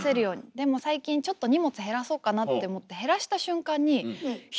でも最近ちょっと荷物減らそうかなって思って分かる。